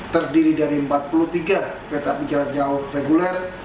terdiri dari empat puluh tiga kereta api jarak jauh reguler